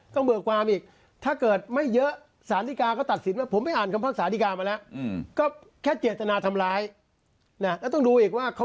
ถ้าเกิดไม่เยอะสารธิการตัดสินว่า